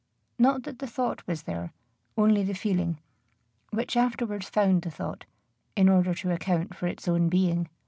Not that the thought was there, only the feeling, which afterwards found the thought, in order to account for its own being.